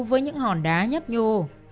với những hòn đá nhấp nhô